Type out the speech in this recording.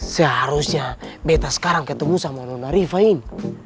seharusnya beta sekarang ketemu sama nona rifahin